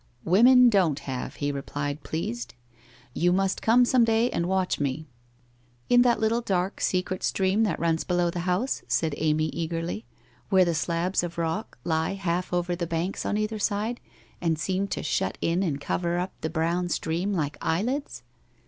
' Women don't have,' he replied, pleased. ' You must come some day and watch me.' * In tbat little, dark, secret stream that runs below the house,' said Amy eagerly, ' where the slabs of rock lie 6ft WHITE ROSE OF WEARY LEAF half over the banks on cither sides and socm to shut in and cover up the brown stream like eyelids?'